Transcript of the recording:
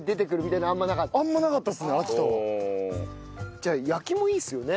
じゃあ焼きもいいっすよね？